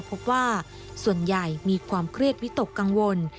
พบว่าส่วนใหญ่มีความเครียดวิตกกังวล